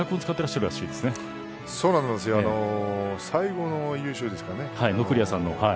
最後の優勝ですかね